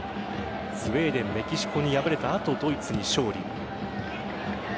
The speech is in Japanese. スウェーデン、メキシコに敗れた後、ドイツに勝利。